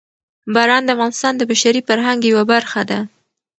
باران د افغانستان د بشري فرهنګ یوه برخه ده.